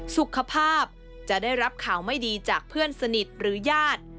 สุขภาพจะได้รับข่าวไม่ดีจากเพื่อนสนิทหรือญาติ